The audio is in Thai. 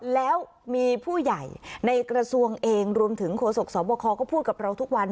แล้วมีผู้ใหญ่ในกระทรวงเองรวมถึงโฆษกสวบคก็พูดกับเราทุกวัน